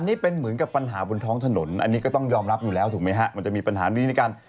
นี่เป็นเหมือนกับปัญหาบนท้องถนนอันนี้ก็ต้องยอมรับอยู่แล้วถูกไหมฮะมันจะมีปัญหานี้ในการ